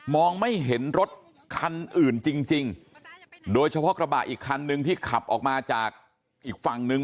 ไม่เห็นรถคันอื่นจริงจริงโดยเฉพาะกระบะอีกคันนึงที่ขับออกมาจากอีกฝั่งนึง